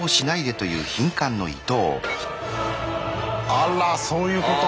あらそういうこと？